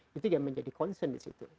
itu dia yang menjadi concern disitu